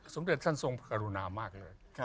สมด็จท่านส่งปรารุณามมากเลย